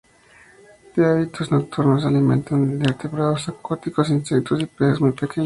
De hábitos nocturnos, se alimentan de invertebrados acuáticos, insectos y peces muy pequeños.